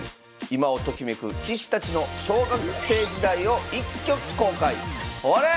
今をときめく棋士たちの小学生時代を一挙公開。